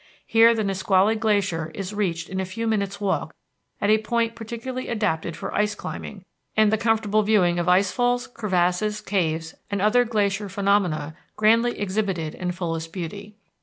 Here the Nisqually Glacier is reached in a few minutes' walk at a point particularly adapted for ice climbing, and the comfortable viewing of ice falls, crevasses, caves, and other glacier phenomena grandly exhibited in fullest beauty.